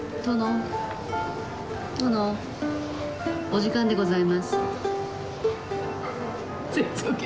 お時間でございます。